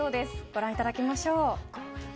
ご覧いただきましょう。